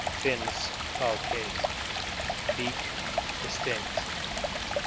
Fins falcate. Beak distinct.